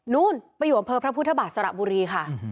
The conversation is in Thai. นู่นไปอยู่อำเภอพระพุทธบาทสระบุรีค่ะ